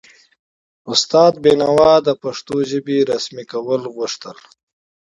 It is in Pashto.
استاد بینوا د پښتو ژبې رسمي کول غوښتل.